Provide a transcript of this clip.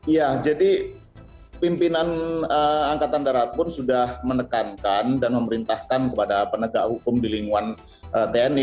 ya jadi pimpinan angkatan darat pun sudah menekankan dan memerintahkan kepada penegak hukum di lingkungan tni